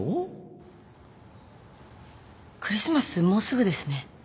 もうすぐですね。